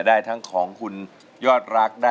ได้ทั้งของคุณยอดรัก